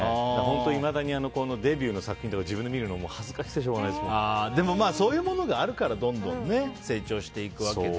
いまだにデビューの作品とか自分で見るのでもそういうものがあるからどんどん成長していくわけで。